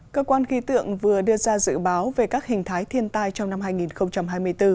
cơ quan khí tượng vừa đưa ra dự báo về các hình thái thiên tai trong năm hai nghìn hai mươi bốn